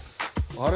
あれ？